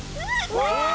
うわ！